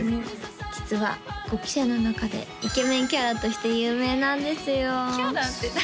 実は５期生の中でイケメンキャラとして有名なんですよキャラって何？